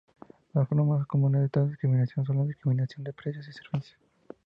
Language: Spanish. Las formas más comunes de tal discriminación son la discriminación de precios y servicios.